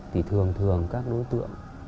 thì thường thường các đối tượng